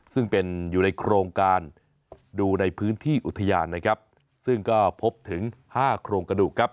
ซึ่งเป็นอยู่ในโครงการดูในพื้นที่อุทยานซึ่งก็พบถึง๕โครงกระดูก